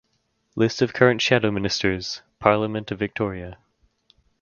List of Current Shadow Ministers (Parliament of Victoria)